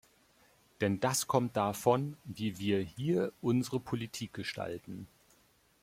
Denn das kommt davon, wie wir hier unsere Politik gestalten.